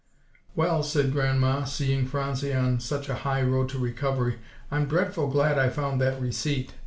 "Well," said Grandma, seeing Phronsie on such a high road to recovery, "I'm dretful glad I found that receet.